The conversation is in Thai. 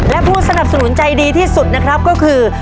และผู้สนับสนุนใจดีที่สุดนะครับก็คือ